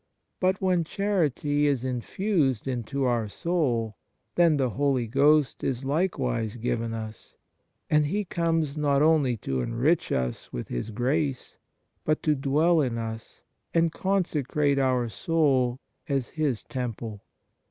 But when charity is infused into our soul, then the Holy Ghost is likewise given us ; and He comes not only to enrich us with His grace, but to dwell in us and consecrate our soul as His temple.